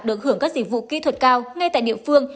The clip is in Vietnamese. được hưởng các dịch vụ kỹ thuật cao ngay tại địa phương